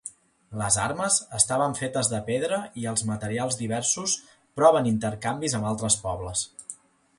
Les armes estaven fetes de pedra i els materials diversos proven intercanvis amb altres pobles.